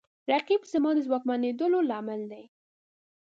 رقیب زما د ځواکمنېدو لامل دی